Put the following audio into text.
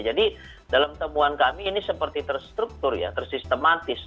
jadi dalam temuan kami ini seperti terstruktur ya tersistematis